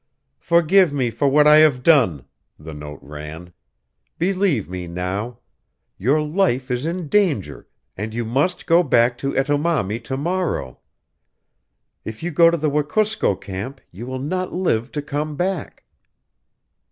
"Forgive me for what I have done," the note ran. "Believe me now. Your life is in danger and you must go back to Etomami to morrow. If you go to the Wekusko camp you will not live to come back."